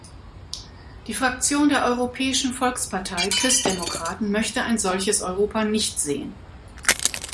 Die Fraktion der Europäischen Volkspartei Christdemokraten möchte ein solches Europa nicht sehen.